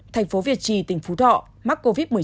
thành phố việt trì tỉnh phú thọ mắc covid một mươi chín